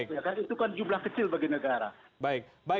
itu kan jumlah kecil bagi negara